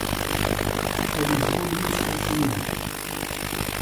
پۆلیس بوون هیچ خۆش نییە.